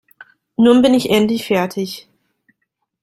Nun bin ich endlich fertig.